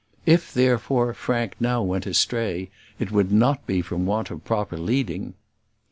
If, therefore, Frank now went astray, it would not be from want of proper leading.